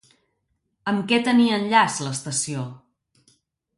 Amb què tenia enllaç l'estació?